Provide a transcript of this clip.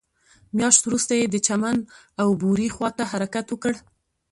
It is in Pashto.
مياشت وروسته يې د چمن او بوري خواته حرکت وکړ.